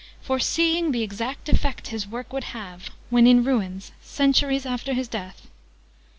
"Foreseeing the exact effect his work would have, when in ruins, centuries after his death!"